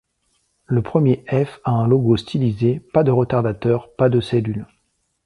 Le premier F a un logo stylisé, pas de retardateur, pas de cellule.